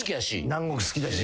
南国好きだし。